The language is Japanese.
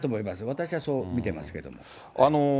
私はそう見てますけれども。